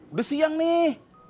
udah siang nih